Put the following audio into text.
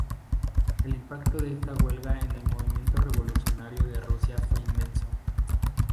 El impacto de esta huelga en el movimiento revolucionario de Rusia fue inmenso.